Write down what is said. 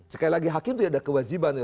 sekali lagi hakim itu tidak ada kewajiban